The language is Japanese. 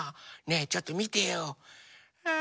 ねえちょっとみてよ！え？